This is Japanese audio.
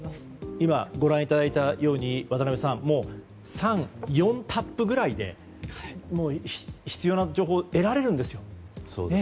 今、ご覧いただいたように渡辺さん３４タップぐらいで必要な情報を得られるんですよ。